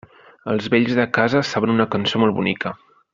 Els vells de casa saben una cançó molt bonica.